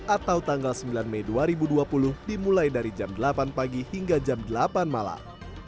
atau tanggal sembilan mei dua ribu dua puluh dimulai dari jam delapan pagi hingga jam delapan malam